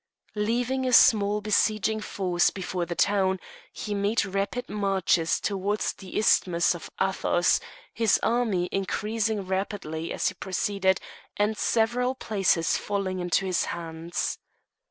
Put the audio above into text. Leaving a small besieging force before the town, he made rapid marches towards the Isthmus of Athos, his army increasing rapidly as he proceeded, and several places falling into his hands.